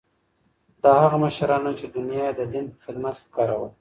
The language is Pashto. دا هغه مشران وو چې دنیا یې د دین په خدمت کې کاروله.